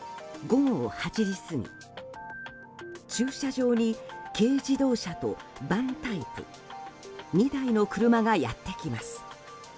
午後８時過ぎ、駐車場に軽自動車とバンタイプ２台の車がやってきます。